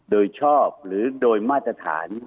โดยชอบหรือโดยมาตรฐาน